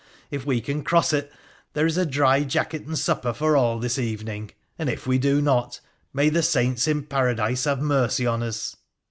If we can cross it there is a dry jacket and supper for all this evening, and if we do not, may the saints in Paradise have mercy on us